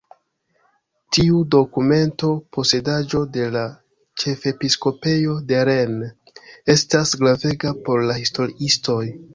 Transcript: Tiu dokumento, posedaĵo de la ĉefepiskopejo de Rennes, estas gravega por la historiistoj.